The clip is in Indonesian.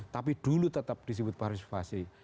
tapi dulu tetap disebut partisipasi